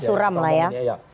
masa suram lah ya